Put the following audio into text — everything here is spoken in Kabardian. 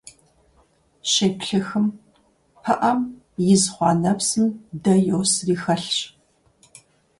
Щеплъыхым, пыӀэм из хъуа нэпсым дэ йосри хэлъщ